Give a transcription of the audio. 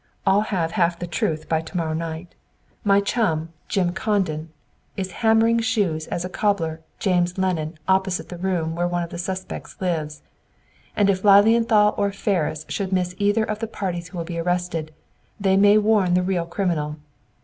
I'll have half the truth by to morrow night. My chum, Jim Condon, is hammering shoes as cobbler James Lennon opposite the room where one of the suspects lives. And if Lilienthal or Ferris should miss either of the parties who will be arrested, they may warn the real criminal."